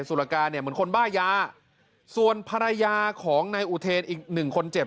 สุรกาเนี่ยเหมือนคนบ้ายาส่วนภรรยาของนายอุเทนอีกหนึ่งคนเจ็บ